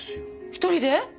一人で？